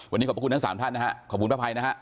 วันนี้ขอบคุณทั้งสามท่านนะฮะขอบคุณพระภัยนะฮะ